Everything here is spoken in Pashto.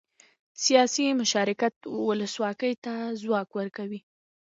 سیاسي مشارکت ولسواکۍ ته ځواک ورکوي